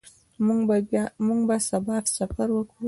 موږ به سبا سفر وکړو.